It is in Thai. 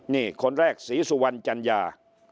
นี่คนแรกศรีสุวรรณจัญญา